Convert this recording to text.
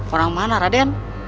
orang mana raden